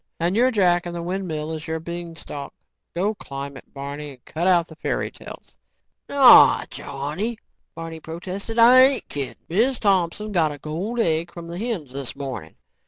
And you're Jack and the windmill is your beanstalk. Go climb it, Barney and cut out the fairy tales." "Naw, Johnny," Barney protested, "I ain't kidding. Miz Thompson got a gold egg from the hens this morning.